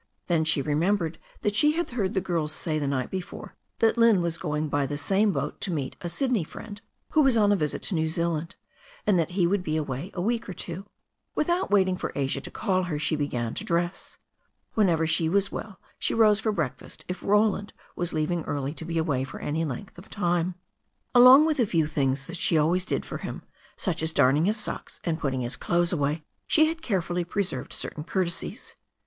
Then she remembered that she had heard the girls say the night before that Lynne was going by the same boat to meet a Sydney friend who was on a visit to New Zealand, and that he would be away a week or two. Without waiting for Asia to call her she began to dress. Whenever she was well she rose for breakfast if Roland was leaving early to be away for any length of time. Along with a few things that she always did for him, such as darning his socks and putting his clothes away, she had care fully preserved certain courtesies.